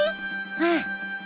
うん。